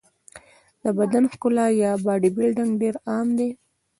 د بدن ښکلا یا باډي بلډینګ ډېر عام دی.